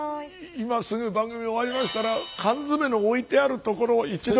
今すぐ番組終わりましたら缶詰の置いてある所を一度。